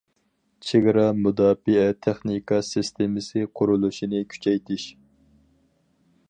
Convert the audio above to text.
چېگرا مۇداپىئە تېخنىكا سىستېمىسى قۇرۇلۇشىنى كۈچەيتىش.